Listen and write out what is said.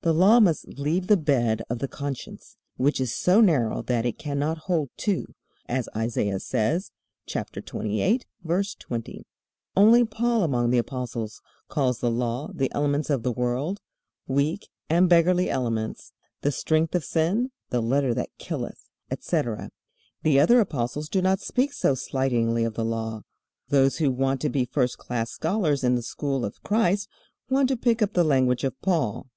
The Law must leave the bed of the conscience, which is so narrow that it cannot hold two, as Isaiah says, chapter 28, verse 20. Only Paul among the apostles calls the Law "the elements of the world, weak and beggarly elements, the strength of sin, the letter that killeth," etc. The other apostles do not speak so slightingly of the Law. Those who want to be first class scholars in the school of Christ want to pick up the language of Paul.